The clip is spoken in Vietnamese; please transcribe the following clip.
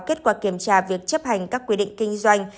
kết quả kiểm tra việc chấp hành các quy định kinh doanh